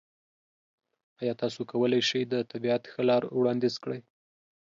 ایا تاسو کولی شئ د طبیعت ښه لار وړاندیز کړئ؟